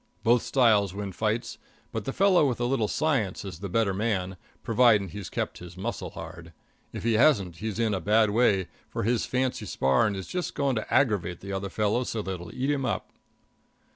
Both styles win fights, but the fellow with a little science is the better man, providing he's kept his muscle hard. If he hasn't, he's in a bad way, for his fancy sparring is just going to aggravate the other fellow so that he'll eat him up.